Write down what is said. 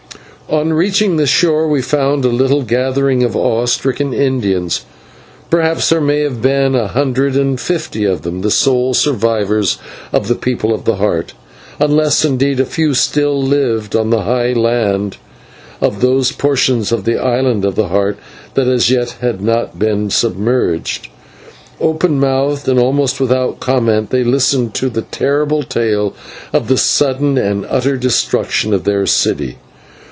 On reaching the shore we found a little gathering of awe stricken Indians perhaps there may have been a hundred and fifty of them the sole survivors of the People of the Heart, unless indeed a few still lived on the high land of those portions of the island of the Heart that as yet had not been submerged. Open mouthed and almost without comment they listened to the terrible tale of the sudden and utter destruction of their city.